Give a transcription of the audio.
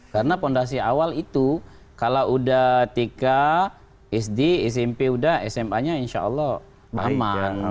karena fondasi awal itu kalau udah tika isdi ismp udah sma nya insya allah aman